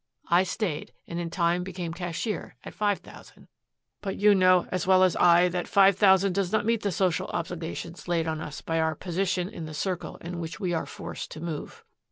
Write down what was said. I stayed and in time became cashier at five thousand. But you know as well as I that five thousand does not meet the social obligations laid on us by our position in the circle in which we are forced to move."